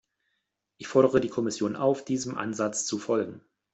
Ich fordere die Kommission auf, diesem Ansatz zu folgen.